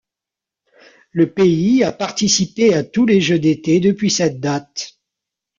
Le pays a participé à tous les Jeux d'été depuis cette date.